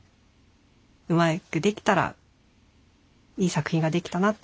うまくできたらいい作品ができたなって。